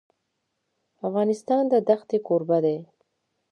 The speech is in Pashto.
افغانستان د ښتې کوربه دی.